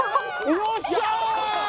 よっしゃー！